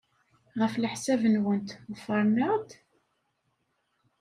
Ɣef leḥsab-nwent, ḍefren-aɣ-d?